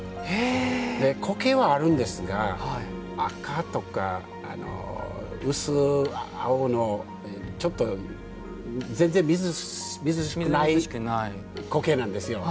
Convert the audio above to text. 苔はあるんですが赤とか薄青のちょっと全然、みずみずしくない苔なんですよ。